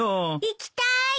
行きたーい！